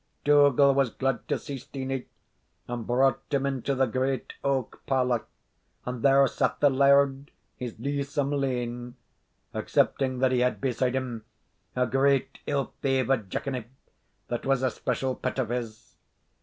Dougal was glad to see Steenie, and brought him into the great oak parlour; and there sat the laird his leesome lane, excepting that he had beside him a great, ill favoured jackanape that was a special pet of his.